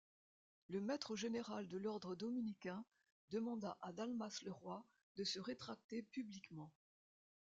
Le maître général de l'ordre dominicain demanda à Dalmace Leroy de se rétracter publiquement.